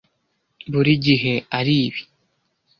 buri gihe aribi.